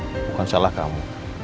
bukan salah kamu